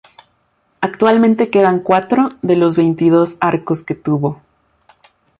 Actualmente quedan cuatro de los veintidós arcos que tuvo.